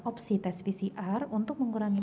opsi tes pcr untuk mengurangi